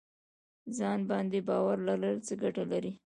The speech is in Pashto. ځان باندې باور لرل څه ګټه لري؟